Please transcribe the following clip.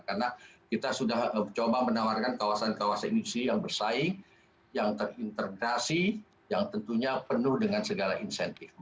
karena kita sudah menawarkan kawasan kawasan industri yang bersaing yang terintegrasi yang tentunya penuh dengan segala insentif